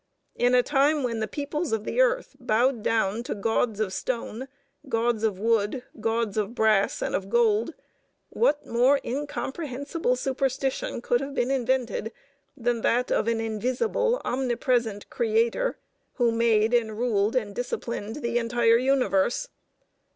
In a time when the peoples of the earth bowed down to gods of stone, gods of wood, gods of brass and of gold, what more incomprehensible superstition could have been invented than that of an invisible, omnipresent Creator who made and ruled and disciplined the entire universe?